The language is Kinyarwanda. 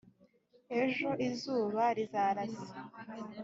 ejo, izuba rizarasa,